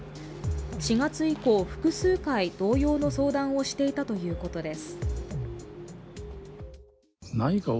４月以降、複数回同様の相談をしていたということです。